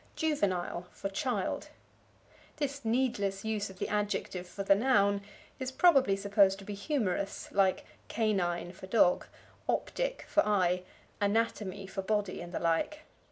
Juvenile for Child. This needless use of the adjective for the noun is probably supposed to be humorous, like "canine" for dog, "optic" for eye, "anatomy" for body, and the like.